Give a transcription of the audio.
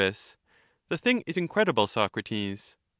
The thing is incredible, Socrates.